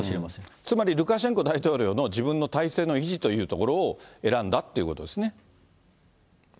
つまりルカシェンコ大統領の自分の体制の維持というところを選んだっていうことですね。